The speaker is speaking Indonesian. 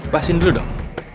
pasin dulu dong